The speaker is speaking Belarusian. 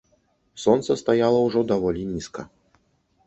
Сонца стаяла ўжо даволі нізка.